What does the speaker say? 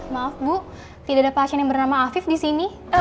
maaf bu tidak ada pasien yang bernama afif disini